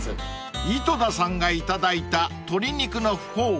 ［井戸田さんが頂いた鶏肉のフォーは］